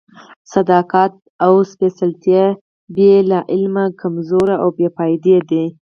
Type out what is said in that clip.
صداقت او سپېڅلتیا بې له علمه کمزوري او بې فائدې دي.